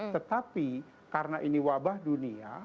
tetapi karena ini wabah dunia